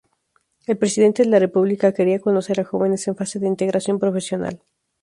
El presidente de la República quería conocer a jóvenes en fase de integración profesional.